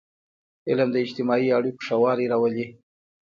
علم د اجتماعي اړیکو ښهوالی راولي.